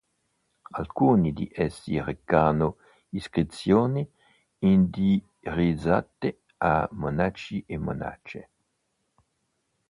Alcuni di essi recano iscrizioni indirizzate a monaci e monache.